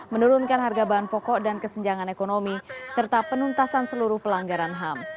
menurunkan harga bahan pokok dan kesenjangan ekonomi serta penuntasan seluruh pelanggaran ham